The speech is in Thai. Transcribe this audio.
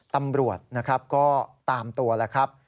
ตำรวจก็ตามตัวล่ะครับ